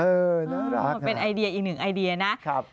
เออน่ารักนะครับเป็นไอเดียอีกหนึ่งไอเดียนะ